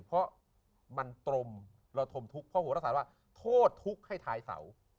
เพราะมันตรงเราทมทุกข์เพราะโหรศาสตร์ว่าโทษทุกข์ให้ทายเสา